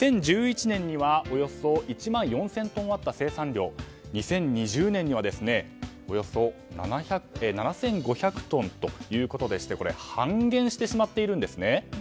２０１１年にはおよそ１万４０００トンあった生産量が２０２０年にはおよそ７５００トンということで半減してしまっているんですね。